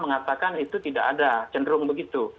mengatakan itu tidak ada cenderung begitu